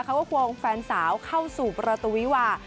เขาก็พวงแฟนสาวเข้าสู่ประตูวิว่า